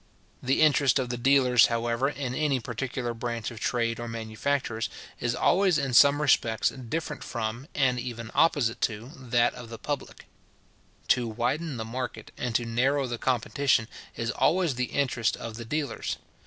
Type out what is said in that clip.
The interest of the dealers, however, in any particular branch of trade or manufactures, is always in some respects different from, and even opposite to, that of the public. To widen the market, and to narrow the competition, is always the interest of the dealers.